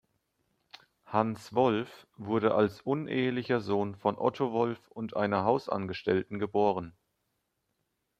Hans Wolff wurde als unehelicher Sohn von Otto Wolff und einer Hausangestellten geboren.